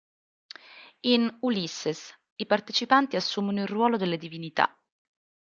In "Ulysses", i partecipanti assumono il ruolo delle divinità.